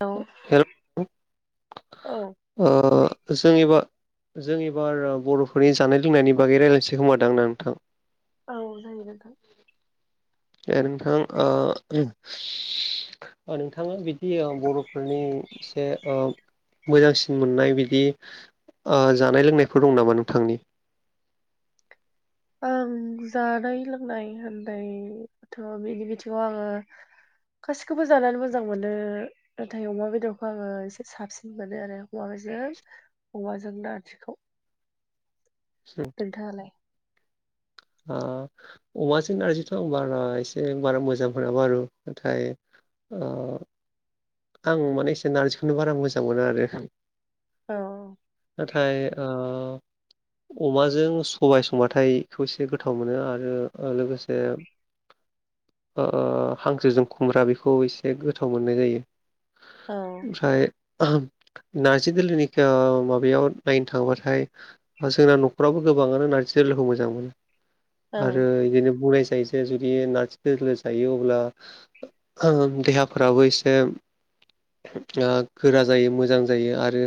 औ हेल' औ ओ जोंनिबा जों एबार ओ बर'फोरनि जानाय लोंनायनि बागै रायलायनोसै खोमादां ना नोंथां औ जायो नोंथां ए ओ नोंथां ओ ओ नोंथाङा बिदि बर'फोरनि से ओ मोजांसिन मोननाय बिदि ओ जानाय लोंनायफोर दं नामा नोंथांनि आं जानाय लोंनाय होननायथ' बिनि बिथिङाव आङो गासिखौबो जानानै मोजां मोनो नाथाय अमा बेदरखौ आङो एसे साबसिन मोनो आरो अमाजों औवाजोंनो आथिखौ से नोंथाङालाय ओ अमाजों नारजिथ'बारा एसे बारा मोजां मोना बारु नाथाय [unintelligible] आं माने एसे नारजिखौनो बारा मोजां मोनो आरो औ नाथाय ओ अमाजों सबाय संबाथाय खौ एसे गोथाव मोनो आरो लोगोसे [unintelligible] ओ हांसोजों खुमब्रा बेखौ एसे गोथाव मोननाय जायो औ ओमफ्राय नारजि दोलोनि ओ माबायाव नायनो थाङोबाथाय जोंना न'खराबो गोबाङानो नारजि दोलोखौ मोजां मोनो औ आरो बिदिनो बुंनाय जायो एसे जुदि नारजि दोलो जायो अब्ला देहाफोराबो एसे ओ गोरा जायो मोजां जायो आरो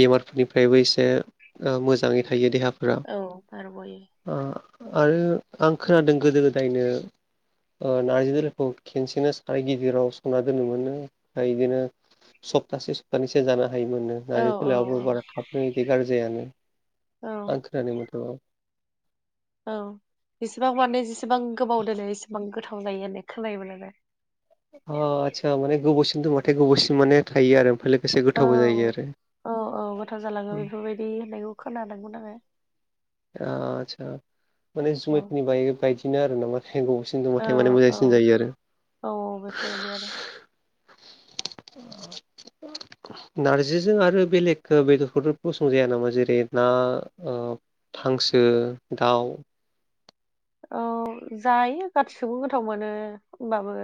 बेमारफोरनिफ्रायबो एसे ओ मोजाङै थायो देहा औ बारगयो। ओ आरो आं खोनादों गोदो गोदायनो ओ नारजि दोलोखौ खेनसेनो साराय गिदिराव संना दोनोमोननो। ओमफ्राय बिदिनो सप्तासे सप्तानैसो जानो हायोमोननो। औ नारजि दोलोयावबो बारा थाबनो बिदि गारजि जाया ना औ आं खोनादों मोनथ। औ जसेबां माने जेसेबां गोबाव दोनो एसेबां गोथाव जायो होननाय खोनायोमोन [unintelligible] ओ आदसा माने गोबावसिम दोनबाथाय गोबावसिम माने थायो आरो लोगोसे औ गोथावबो जायो आरो औ औ गोथाव जालाङो बेफोरबायदि होननायखौ खोनादोंमोन आङो। आतसा माने औ जुमायफोरनि बाय बायदिनो आरो [unintelligible] दंबाथाय माने औ औ मोजांसिन जायो आरो। औ बेफोरबायदि आरो [unintelligible] नार्जिजों आरो बेलेग बेदरफोर गसं जाया नामा जेरै ना ओ हांसो दाउ औ जायो गासिखौबो गोथाव मोनो होनबाबो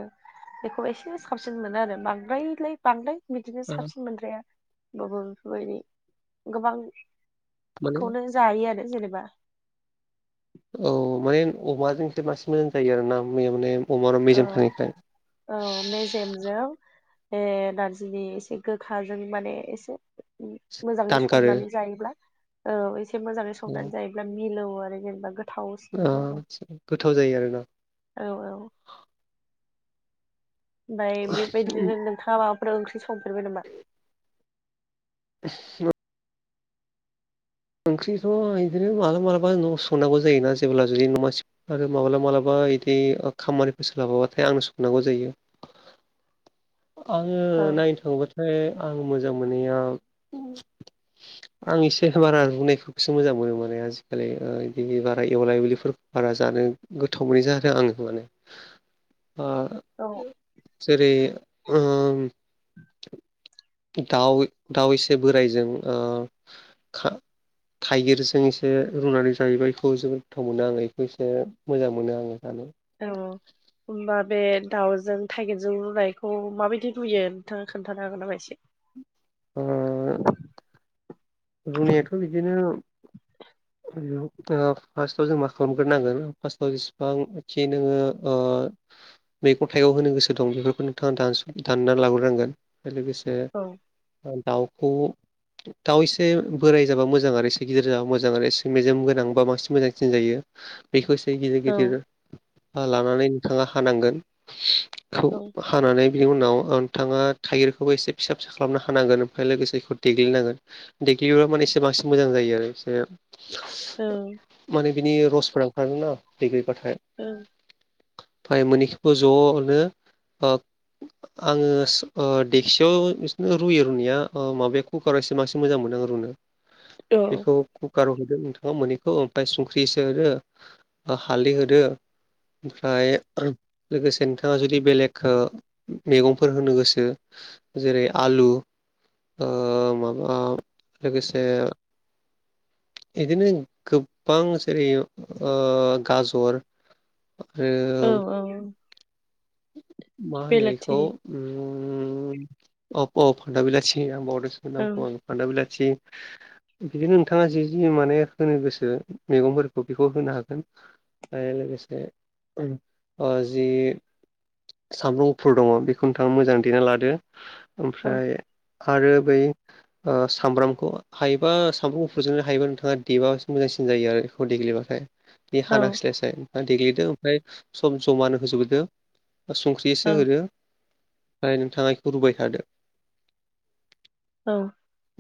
बेखौ एसे साबसिन मोनो आरो बांद्रायलाय बांद्राय। बिदिनो साबसिन मोनद्राया होमबाबो बेफोरबायदि गोबां माने खौनो जायो आरो जेनेबा औ माने अमाजोंसो बांसिन मोजां जायो आरो ना मैया माने अमानाव मेजेम थानायखाय जेमजों ए नारजिनि एसे गोखाजों माने एसे मोजाङै दानगारो संनानै जायोब्ला औ एसे मोजाङै संनानै जायोब्ला मिलौ आरो जेनेबा गो ओ गोथाव जायो आरोना। औ औ। ओमफ्राय बेबायदिनो नोंथाङा माबाफोर ओंख्रि संफेरबाय नामा। [unintelligible] ओंख्रिखौ बिदिनो मालाबा मालाबा न'आव संनांगौ जायोना जेब्ला जुदि न' मा आरो मालाबा मालाबा इदि खामानिफोर सोलाबाबाथाय आंनो संनांगौ जायो। [inaudible] आङो औ नायनो [unintelligible] ओमफ्राय आं मोजां मोननाया आं एसे बारा रुनायखौफोरखौसो मोजां मोनो माने आजिखालि बिदि बारा एवला एवलिफोरखौ बारा जानो गोथाव मोनै जादों [unintelligible] [inaudible] ओ औ। जेरै [unintelligible] दाउ दाउ एसे बोराइजों ओ खा थाइगिरजों एसे रुनानै जायोबा इखौ जोबोद गोथाव मोनो आङो बेखौ एसे मोजां मोनो आङो जानो। औ। होमबा बे दाउजों थाइगिरजों रुनायखौ माबायदि रुयो नोंथाङा खोन्थानो हागोन नामा एसे। [inaudible] जोंनियाथ' बिदिनो [inaudible] ओ फार्स्टआव जों मा खालामग्रोनांगोन फार्स्टआव जेसेबांखि नोङो ओ मैगं थाइगं होनो गोसो दं बेफोरखौ नोंथाङा द दानना लाब्रोनांगोन। लोगोसे औ दाउखौ दाउसे एसे बोराय जाबा मोजां आरो एसे गिदिर जाबा मोजां आरो एसे मेजम गोनांबा बांसिन मोजांसिन जायो। बेखौ एसे गिदिर औ गिदिर लानानै नोंथाङा हानांगोन, औ [unintelligible] हानानै बिनि उनाव नोंथाङा थाइगिरखौबो एसे फिसा फिसा खालामनो हानांगोन ओमफ्राय लोगोसे बेखौ देग्लिनांगोन, देग्लिब्ला माने एसे बांसिन मोजां जायो आरो एसे औ माने बिनि रसफोरा ओंखारगोना देग्लिबाथाय [unintelligible] ओमफाय मोनैखौबो ज'नो ओ आङो ओ देक्सियाव एसे रुयो रुनाया ओ माबाया कुकारावसो बांसिन मोजां मोनो, नों रुनो बेखौ कुकाराव रुदो नोंथाङा मोनैखौ ओमफ्राय संख्रि एसे होदो। हालदै होदो ओमफ्राय लोगोसे नोंथाङा जुदि बेलेग ओ मैगंफोर होनो गोसो जेरै आलु, ओ माबा लोगोसे, इदिनो गोबां जेरै ओ गाजर औ आरो औ मा होनो इखौ बेलाथि उम अ अ फान्थाव बिलाटिसो आं बावदोंसो। औ [unintelligible] फान्थाव बिलाटि, बिदिनो नोंथाङा जि जि माने होनो गोसो मैगंफोरखौ बेखौ होनो हागोन, आरो लोगोसे ओ जि सामब्राम गुफुर दङ बेखौ नोंथाङा मोजां देना लादो औ ओमफ्राय आरो बै, ओ सामब्रामखौ हायोबा सामब्रामखौ गुफुरजोंनो हायोबा नोंथाङा देबा मोजांसिन जायो आरो बेखौ देग्लिबाथाय। बे औ हानांस्लायस्लाय देग्लिदो ओमफ्राय सब जमानो होजोबबोदों, संख्रिसो औ होदो नाय नोंथां रुबाय थादो, औ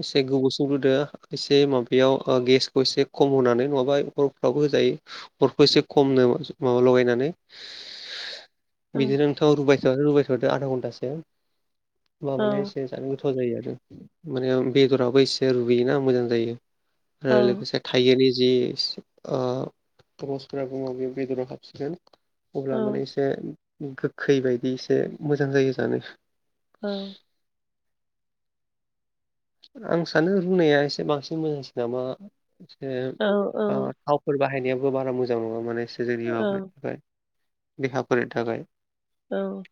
एसे गोबावसो रुदो, एसे माबायाव गेसखौ एसे खम होनानै नङाबा हरफ्राबो होजायो। हरखौ एसे खमनो माबा लगायनानै, औ बिदिनोथ' रुबायथादो रुबायथादो आधा घन्टासो औ माबानाय एसे, जानो गोथाव जायो आरो माने बेदराबो एसे रुगैयोना मोजां जायो औ आरो लोगोसे, थाइगिरनि जि ओ बसफोरा बुङो बे बेदराव हाबसिगोन, औ अब्ला माने एसे गोखै बायदि एसे मोजां जायो जानो, औ आं सानो रुनाया एसे बांसिन मोजांसिन नामा एसे औ थाव फोर बाहायनायाबो बारा मोजां नङा माने सोर जोंनि माबानि थाखाय देहाफोरनि थाखाय, औ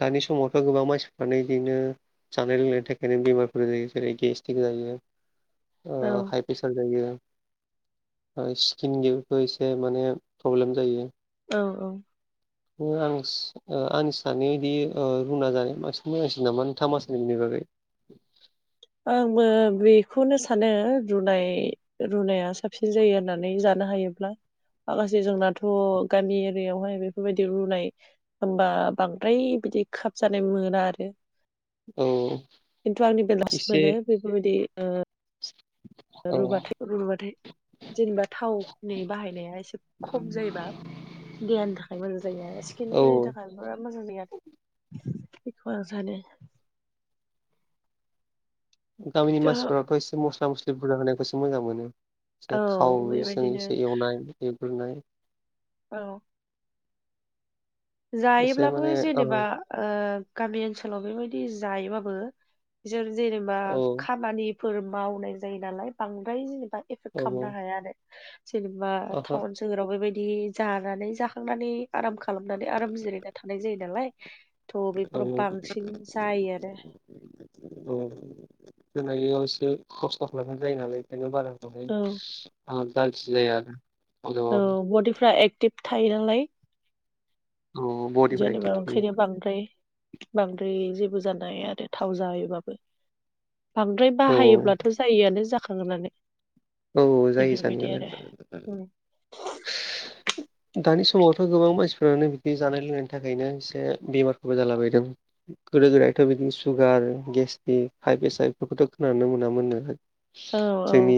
दानि समावथ' गोबां मानसिफ्रानो बिदिनो जानाय लोंनायनि थाखायनो बेमार, जेरै गेस्टिक जायो ओ औ प्रेसार जायो स्किन गेबो एसे माने प्रब्लेम जायो। औ औ आं आंसानोदि ओ रुना जानाय बांसिन मोजांसिन नामा थामासनिनि बागै, आंबो बेखौनो सानो रुनाय रुनाया साबसिन जायो आरो होननानै जानो हायोब्ला आगासे जोंनाथ' गामि एरियायावहाय बेफोरबायदि रुनाय, होमबा बांद्राय बिदि खाब जानाय मोना आरो औ खिन्थु आंनि बेलासि एसे मानो बेफोरबायदि ओ, औ रुबाथाय रुबाथाय जेनेबा थावनि बाहायनाया एसे खम जायोबा, देहानि थाखाय मोजां जायो आरो औ स्किनफोरनि थाखाय, [unintelligible] बिखौ आं साननो, गामिनि मानसिफोरथ' एसे मस्ला मस्लि बुरजा होनायखौसो मोजां मोनो, एसे औ बेबायदिनो थावजोंसो एवनाय एवग्रोनाय, औ एसे जायोब्लाबो माने ओ जेनेबा ओ गामि ओनसोलाव बेबायदि जायोबाबो बिसोर जेनेबा औ खामानि फोर मावनाय जायो नालाय बांद्राय जेनेबा एफेक्ट खालामनो औ हाया आरो। जेनेबा ओहो टाउन सोहोराव बेबायदि जानानै जाखांनानै आराम खालाम नानै आराम जिरायना थानाय जायो नालाय थ' औ बेफोराव बांसिन जायो आरो। औ होनायाव एसे खस्थ' खालामनाय जायो नालाय औ [unintelligible] औ अब्लाबो बडिफ्रा एक्टिभ थायो नालाय। औ बडिफोरा एक्टिभ जेनेबा थायो ओंखायनो बांद्राय बांद्राय जेबो जानो हाया आरो थाव जायोबाबो। बांद्राय औ बाहायोब्लाथ' जायोआनो जाखागोनानो। औ जायो जानायालाय [unintelligible] [inaudible] दानि समावथ' गोबां मानसिफोरानो बिदि जानाय लोंनायनि थाखायनो एसे बेमारफोरबो जालाबायदों। गोदो गोदायथ' बिदिनो सुगार गेस्टिक हाय पेसाय बेफोरखौथ' खोनानो मोनामोननो। औ औ जोंनि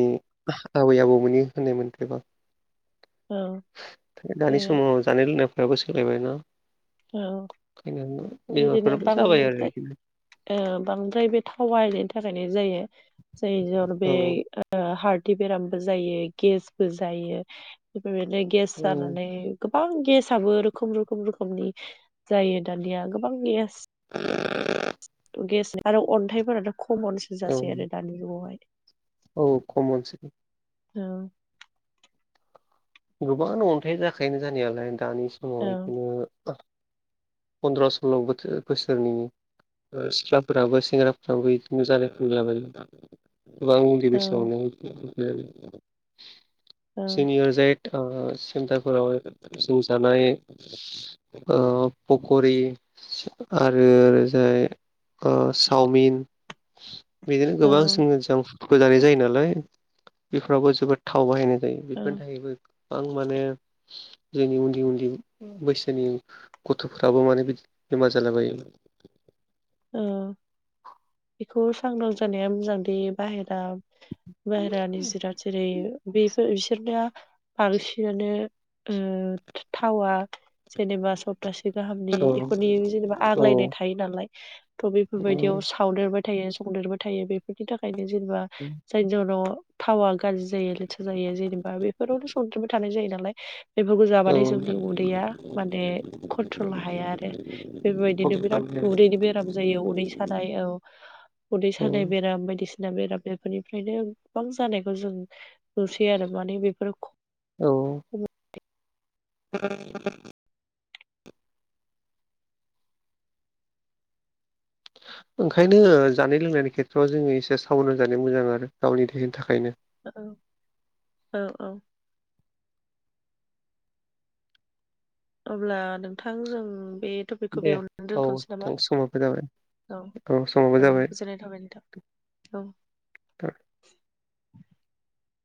आबै आबौमोननि होननाय मोनथेबा। औ दानि बे समाव जानाय लोंनायफ्राबो सोलायबाय ना। औ ओंखायनो बेबायदिनो बेमारफोराबो जाबाय आरो बांद्राय बिदिनो। ओ बांद्राय बे थावा बाहानायनि थाखायनो जायो जाय जर औ बे ओ हार्टनि बेरामबो जायो गेसबो जायो बेफोरबायदिनो गेस औ जानानै गोबां गेसआबो रोखोम रोखोम रोखोमनि जायो दानिया गोबां गेस [inaudible] गेस आरो अन्थाइफोराथ' खमनसो औ जासै आरो दानि जुगावहाय। औ खमनसै। औ गोबांयानो अन्थाइ जाखायोनो जानायालाय दानि समाव औ बिदिनो फन्द्र' सल्ल बोथोर -बोसोरनि ओ सिख्लाफोराबो सेंग्राफ्राबो बिदिनो जानायफैलाबायो। गोबां उन्दै औ बैसोआवनो औ जनियर [unintelligible] जाय ओ सेन्टारफोराव जों जानाय ओ पकरि आरो ओजाय ओ सावमिन बिदिनो औ गोबां जोङो जां फुडखौ जानाय जायो नालाय बेफोरावबो जोबोद थाव बाहायनाय जायो। औ बेफोरनि थाखायबो गोबां माने जोंनि उन्दै उन्दै बैसोनि गथ'फोराबो माने बिदि बेमार जाला बायोमोन ओ बेखौ सांग्रां जानाया मोजांदि बाहेरा बाहेरानि जिराद जेरै बेफोर बिसोरनिया बांसिनानो ओ थावा जेनेबा सब थासे गाहामनि औ इफोरनि जेनेबा औ आग्लायनाय थायो नालाय। थ' औ बेफोरबायदियाव सावदेरबाय थायो संदेरबाय थायो बेफोरनि थाखायनो जेनेबा उम जायनि जाउनाव थावा गाज्रि जायो लेथ्रा जायो जेनेबा बेफोरावनो संद्रिबो थानाय जायो नालाय बेफोरखौ जाबाथाइ जोंनि औ उदैया माने कन्ट्रल हाया आरो। बेफोरबायदिनो बिराद उदैनि बेराम जायो उदै सानाय औ उदै सानाय बेराम बायदिसिना बेराम बेफोरनिफ्रायनो गोबां जानायखौ जों नुसै आरो माने बेफोर ख औ [inaudible] ओंखायनो जानाय लोंनायनि खेथ्रआव जोङो एसे साबध जानाय मोजां आरो गावनि देहानि थाखायनो। औ औ औ औ अब्ला नोंथां जों बे थफिखो बेखौ दे बेयावनानै औ दोनथ'नोसै नामा? नोंथां समाबो जाबाय औ समाबो औ जाबाय। गोजोननाय थाबाय नोथा औ